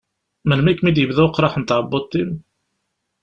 Melmi i kem-id-yebda uqraḥ n tɛebbuḍt-im?